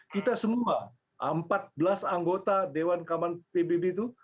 kita semua empat belas anggota dewan keamanan pbb itu